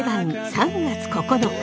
「３月９日」。